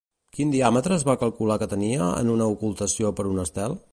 Quin diàmetre es va calcular que tenia en una ocultació per un estel?